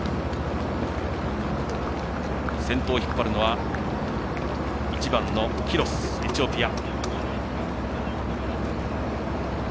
先頭引っ張るのは１番、キロス、エチオピア。